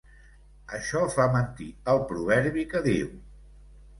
Això fa mentir el proverbi que diu...